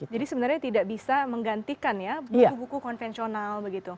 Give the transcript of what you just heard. jadi sebenarnya tidak bisa menggantikan ya buku buku konvensional begitu